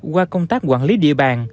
qua công tác quản lý địa bàn